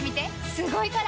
すごいから！